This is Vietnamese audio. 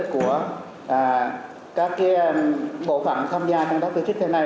của các bộ phẳng tham gia công tác tôi thích thi này